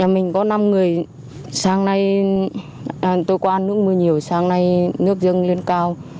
mình có năm người sáng nay tôi có ăn nước mưa nhiều sáng nay nước dâng lên cao